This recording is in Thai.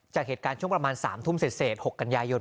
จากเหตุการณ์ช่วงประมาณ๓ทุ่มเสร็จ๖กันยายน